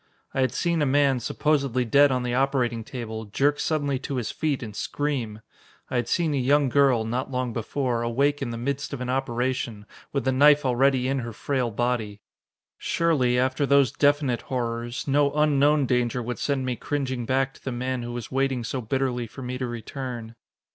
I had seen a man, supposedly dead on the operating table, jerk suddenly to his feet and scream. I had seen a young girl, not long before, awake in the midst of an operation, with the knife already in her frail body. Surely, after those definite horrors, no unknown danger would send me cringing back to the man who was waiting so bitterly for me to return.